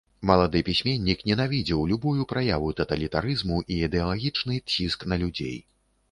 Малады пісьменнік ненавідзеў любую праяву таталітарызму і ідэалагічны ціск на людзей.